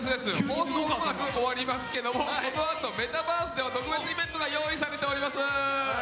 放送が、まもなく終わりますけどこのあとメタバースでは特別イベントが用意されています。